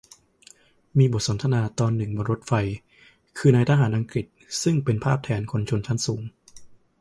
มีบทสนทนาตอนหนึ่งบนรถไฟ คือนายทหารอังกฤษ ซึ่งเป็นภาพแทนคนชั้นสูง